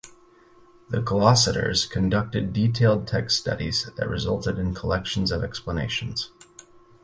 The glossators conducted detailed text studies that resulted in collections of explanations.